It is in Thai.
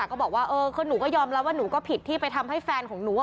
ก็บอกว่าเออคือหนูก็ยอมรับว่าหนูก็ผิดที่ไปทำให้แฟนของหนู